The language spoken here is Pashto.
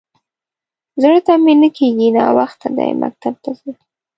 _زړه ته مې نه کېږي. ناوخته دی، مکتب ته ځم.